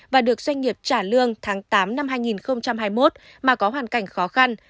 và được doanh nghiệp trả lương tháng tám năm hai nghìn hai mươi một mà có hoàn cảnh khó khăn